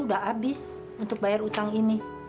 udah habis untuk bayar utang ini